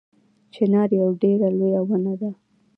چنار یوه ډیره لویه ونه ده